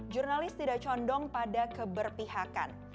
jurnalis tidak condong pada keberpihakan